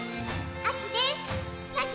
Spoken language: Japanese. あきです！